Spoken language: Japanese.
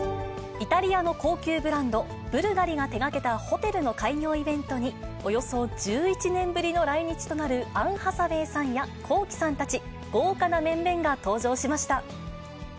イタリアの高級ブランド、ブルガリが手がけたホテルの開業イベントに、およそ１１年ぶりの来日となるアン・ハサウェイさんやＫｏｋｉ，さんたち豪華な面々が登場しました。